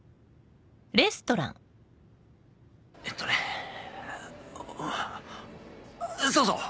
えっとねそうそう。